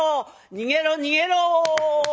逃げろ逃げろ」。